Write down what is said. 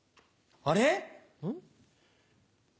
あれ？